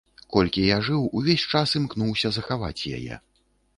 Колькі я жыў, увесь час імкнуўся захаваць яе.